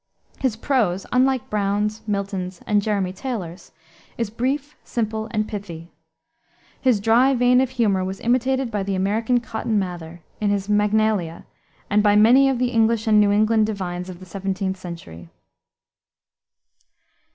His prose, unlike Browne's, Milton's, and Jeremy Taylor's, is brief, simple, and pithy. His dry vein of humor was imitated by the American Cotton Mather, in his Magnalia, and by many of the English and New England divines of the 17th century.